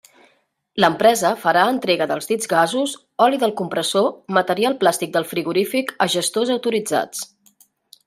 L'empresa farà entrega dels dits gasos, oli del compressor, material plàstic del frigorífic a gestors autoritzats.